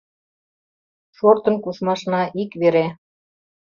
Шортын кушмашна ик вере